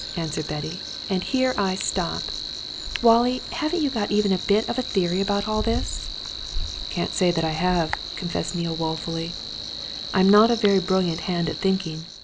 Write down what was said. said Betty. "And here I stop! Wallie, haven't you got even a bit of a theory about all this!" "Can't say that I have!" confessed Neale woefully. "I'm not a very brilliant hand at thinking.